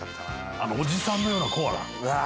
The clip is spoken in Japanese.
あのおじさんのようなコアラあ